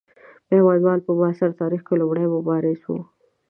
میوندوال په معاصر تاریخ کې لومړنی مبارز وو.